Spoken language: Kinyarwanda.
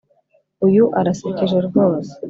Uyu arasekeje rwose